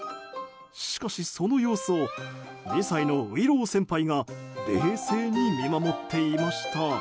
しかし、その様子を２歳のういろう先輩が冷静に見守っていました。